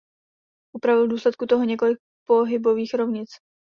Upravil v důsledku toho několik pohybových rovnic.